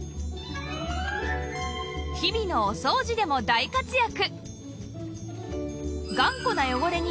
日々のお掃除でも大活躍